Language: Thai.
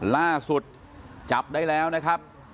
ล่าสุดจับได้แล้วนะครับ